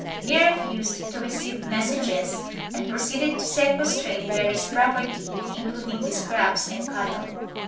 He refused to receive messages and proceeded to sequestrate Veri's property, including his crops and cattle.